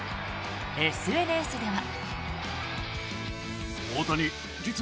ＳＮＳでは。